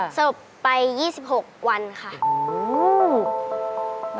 สลบไป๒๖วันค่ะ